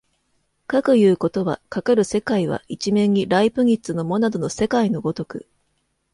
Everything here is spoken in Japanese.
かくいうことは、かかる世界は一面にライプニッツのモナドの世界の如く